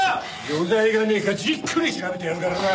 余罪がねえかじっくり調べてやるからな。